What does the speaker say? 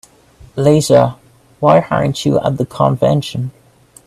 Lisa, why aren't you at the convention?